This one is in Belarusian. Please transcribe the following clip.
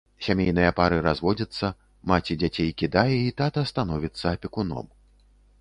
Сямейныя пары разводзяцца, маці дзяцей кідае і тата становіцца апекуном.